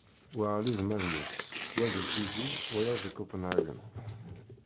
Waɛli d Magnus, wa di Tizi, wayeḍ di Conpenhagen